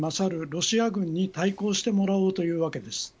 ロシア軍に対抗してもらおうというわけです。